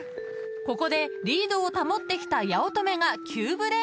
［ここでリードを保ってきた八乙女が急ブレーキ］